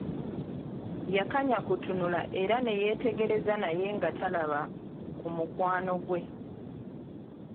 Yakanya kutunula era ne yeetegereza naye nga talaba ku mukwano gwe.